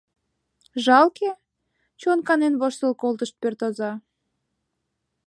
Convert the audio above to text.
— Жалке?! — чон канен воштыл колтыш пӧрт оза.